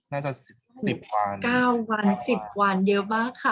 น่าจะ๑๐วัน๙วัน๑๐วันเยอะมากค่ะ